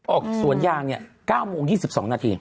ออกส่วนย่างเนี่ย๙โมง๒๒นาที